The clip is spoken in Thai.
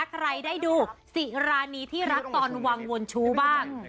ใครได้ดูสิรานีที่รักตอนวังวนชู้บ้าง